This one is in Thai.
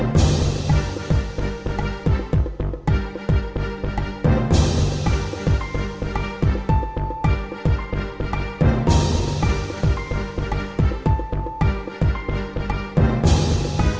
ดูกันต่อไป